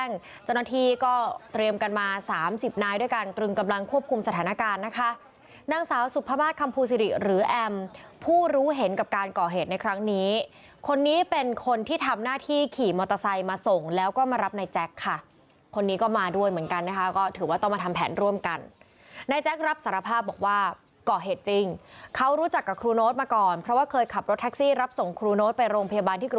ขยับขยับขยับขยับขยับขยับขยับขยับขยับขยับขยับขยับขยับขยับขยับขยับขยับขยับขยับขยับขยับขยับขยับขยับขยับขยับขยับขยับขยับขยับขยับขยับขยับขยับขยับขยับขยับขยับขยับขยับขยับขยับขยับขยับข